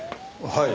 はい。